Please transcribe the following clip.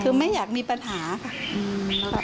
คือไม่อยากมีปัญหาค่ะ